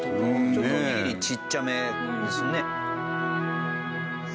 ちょっとおにぎりちっちゃめですね。